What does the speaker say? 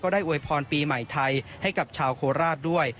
อวยพรปีใหม่ไทยให้กับชาวโคราชด้วย